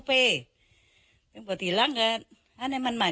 โปรดติดตามต่อไป